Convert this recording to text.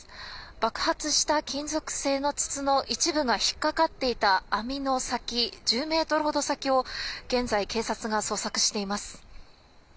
爆発した金属製の筒の一部が引っ掛かっていた網の先、１０メートルほど先を、現在、警察が捜索しています。